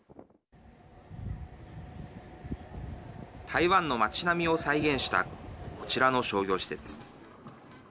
台湾の町並みを再現したこちらの商業施設。